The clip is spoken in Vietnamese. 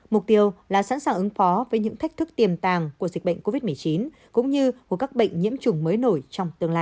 mục tiêu là sẵn sàng ứng phó với những thách thức tiềm tàng của dịch bệnh covid một mươi chín cũng như của các bệnh nhiễm trùng mới nổi trong tương lai